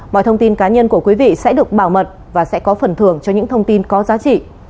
mọi thông tin cá nhân của quý vị sẽ được bảo mật và sẽ có phần thưởng cho những thông tin có giá trị